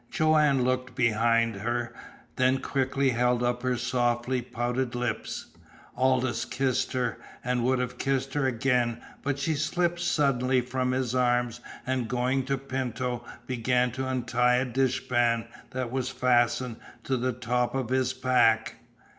Joanne looked behind her, then quickly held up her softly pouted lips. Aldous kissed her, and would have kissed her again but she slipped suddenly from his arms and going to Pinto began to untie a dishpan that was fastened to the top of his pack.